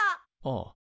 ああ。